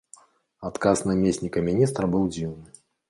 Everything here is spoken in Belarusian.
Адказ намесніка міністра быў дзіўны.